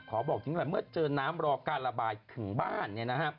ขอบอกจริงแหละเมื่อเจอน้ำรอการระบายถึงบ้าน